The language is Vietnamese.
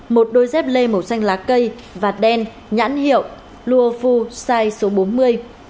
một đôi dép lê màu xanh lá cây vạt đen nhãn hiệu lua vu sai số bốn mươi